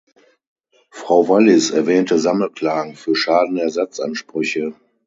Frau Wallis erwähnte Sammelklagen für Schadenersatzansprüche.